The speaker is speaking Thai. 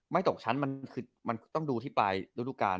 ไม่ตกชั้นมันคือมันต้องดูที่ปลายรูปรุกการ